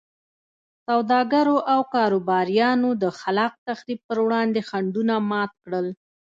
سوداګرو او کاروباریانو د خلاق تخریب پر وړاندې خنډونه مات کړل.